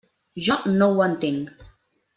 Jo no ho entenc.